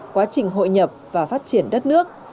quá trình hội nhập và phát triển đất nước